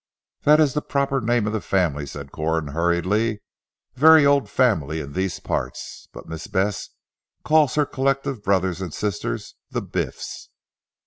"That is the proper name of the family," said Corn hurriedly, "a very old family in these parts. But Miss Bess calls her collective brothers and sisters 'The Biff's.'"